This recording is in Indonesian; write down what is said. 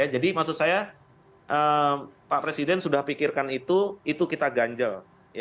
jadi maksud saya pak presiden sudah pikirkan itu itu kita ganjel